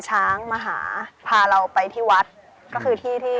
ชื่องนี้ชื่องนี้ชื่องนี้ชื่องนี้ชื่องนี้